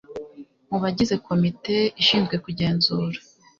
mu bagize Komite ishinzwe kugenzura